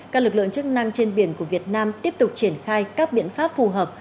các lực lượng chức năng trên biển của việt nam tiếp tục triển khai các biện pháp phù hợp